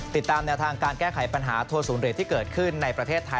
ติดตามแนวทางการแก้ไขปัญหาทัวร์ศูนย์เหรียญที่เกิดขึ้นในประเทศไทย